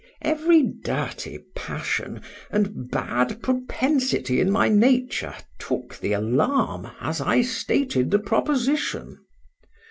Every dirty passion, and bad propensity in my nature took the alarm, as I stated the proposition.